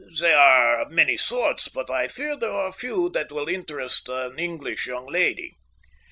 They are of many sorts, but I fear there are few that will interest an English young lady."